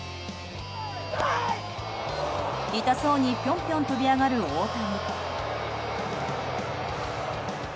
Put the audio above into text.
痛そうにピョンピョン跳び上がる大谷。